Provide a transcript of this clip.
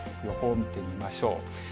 予報見てみましょう。